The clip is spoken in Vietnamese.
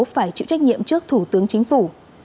phải chịu trách nhiệm trước thủ tướng chính phủ